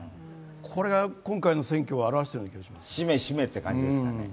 これが今回の選挙を表しているような気がします。